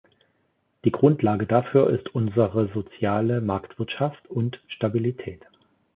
Die Grundlage dafür ist unsere soziale Marktwirtschaft und Stabilität.